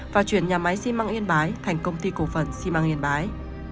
và chuyển nhà máy xi măng yên bái thành công ty cổ phần xi măng yên bái